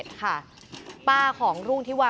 โชว์มือ